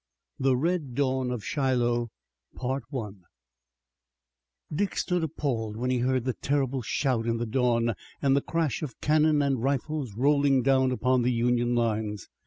THE RED DAWN OF SHILOH Dick stood appalled when he heard that terrible shout in the dawn, and the crash of cannon and rifles rolling down upon the Union lines.